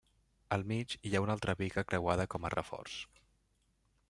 Al mig hi ha una altra biga creuada com a reforç.